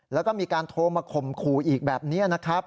แล้วก็มีการโทรมาข่มขู่อีกแบบนี้นะครับ